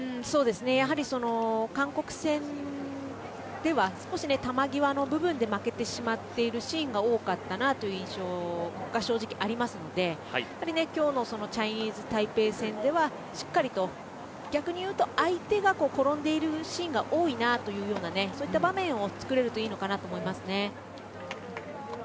やはり韓国戦では少し球際の部分で負けてしまっているシーンが多いという印象が正直ありますので今日のチャイニーズタイペイ戦ではしっかりと、逆に言うと相手が転んでいるシーンが多いなというような場面をつくれるといいのかな。と思いますよね。